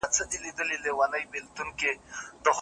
زه به په هغه ورځ